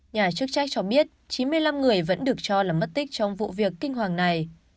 nhà chức trách cho biết chín mươi năm người vẫn được cho là mất tích trong vụ việc kinh hoàng này